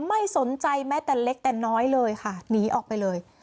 ไม่สนใจแม้แต่เล็กแต่น้อยเลยค่ะหนีออกไปเลย